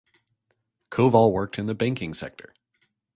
Koval worked in the banking sector.